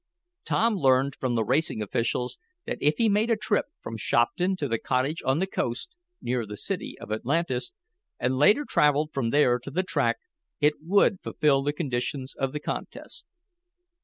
Tom learned from the racing officials that if he made a trip from Shopton to the cottage on the coast, near the city of Atlantis, and later traveled from there to the track, it would fulfill the conditions of the contest.